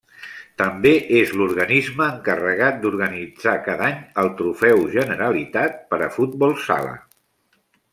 També és l'organisme encarregat d'organitzar cada any el Trofeu Generalitat per a futbol sala.